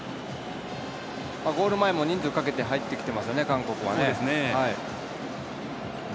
ゴール前も人数かけて入ってきてますよね、韓国は。